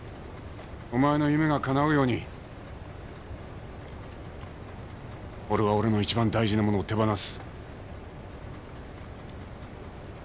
お前の夢がかなうように俺は俺のいちばん大事なものを手放す。